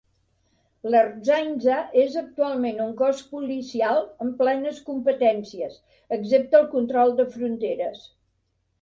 L'Ertzaintza és actualment un cos policial amb plenes competències, excepte el control de fronteres.